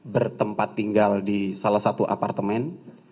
bertempat tinggal di salah satu apartemen